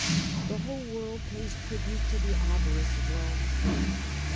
The whole world pays tribute to the avarice of Rome.